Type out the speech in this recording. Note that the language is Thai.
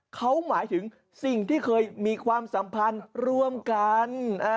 เขาหมายถึงสิ่งที่เคยมีความสัมพันธ์ร่วมกัน